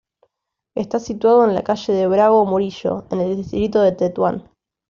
Está situado en la calle de Bravo Murillo, en el distrito de Tetuán.